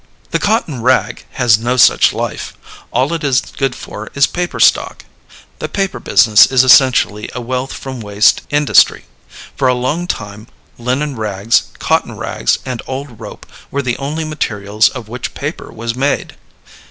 The cotton rag has no such long life. All it is good for is paper stock. The paper business is essentially a wealth from waste industry. For a long time, linen rags, cotton rags, and old rope were the only materials of which paper was made.